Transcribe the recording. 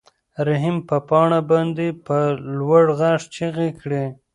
رحیم په پاڼه باندې په لوړ غږ چیغې کړې.